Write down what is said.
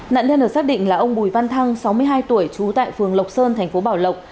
nạn nhân được xác định là ông bùi văn thăng sáu mươi hai tuổi chú tại phường lộc sơn tp bảo lộc